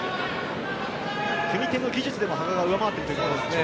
組み手の技術でも羽賀が上回っているということですかね。